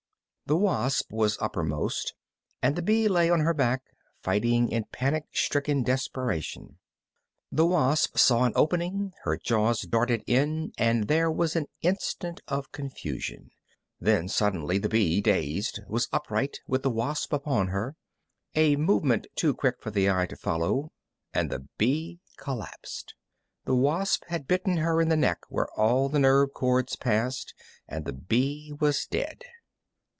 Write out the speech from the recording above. The wasp was uppermost, and the bee lay on her back, fighting in panic stricken desperation. The wasp saw an opening, her jaws darted in, and there was an instant of confusion. Then suddenly the bee, dazed, was upright with the wasp upon her. A movement too quick for the eye to follow and the bee collapsed. The wasp had bitten her in the neck where all the nerve cords passed, and the bee was dead.